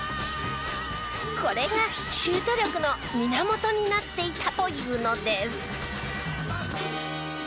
これがシュート力の源になっていたというのです。